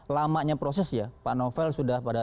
lamanya proses ya pak novel sudah pada